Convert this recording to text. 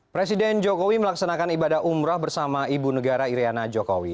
presiden jokowi melaksanakan ibadah umrah bersama ibu negara iryana jokowi